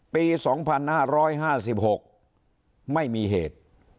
ปี๒๕๕๖ไม่มีเหตุ